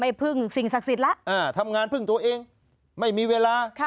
พึ่งสิ่งศักดิ์สิทธิ์แล้วทำงานพึ่งตัวเองไม่มีเวลา